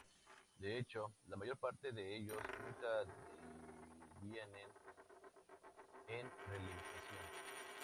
De hecho, la mayor parte de ellos nunca devienen en realización.